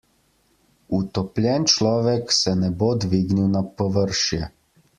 Utopljen človek se ne bo dvignil na površje.